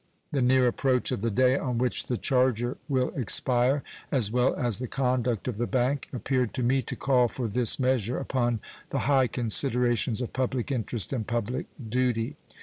The near approach of the day on which the charger will expire, as well as the conduct of the bank, appeared to me to call for this measure upon the high considerations of public interest and public duty.